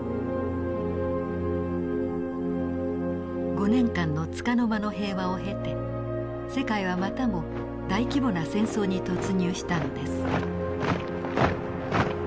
５年間のつかの間の平和を経て世界はまたも大規模な戦争に突入したのです。